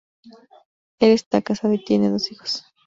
Él está casado y tiene dos hijos.